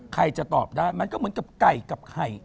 ใครจะตอบได้มันก็เหมือนกับไก่กับไข่